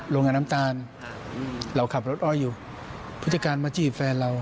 โรงงานน้ำตาลเราขับรถอ้อยอยู่พฤติการมาจีบแฟนเรา